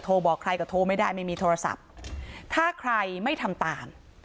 บอกใครก็โทรไม่ได้ไม่มีโทรศัพท์ถ้าใครไม่ทำตาม